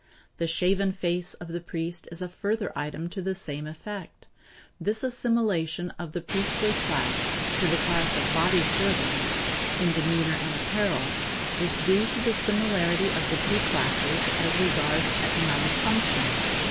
The shaven face of the priest is a further item to the same effect. This assimilation of the priestly class to the class of body servants, in demeanor and apparel, is due to the similarity of the two classes as regards economic function.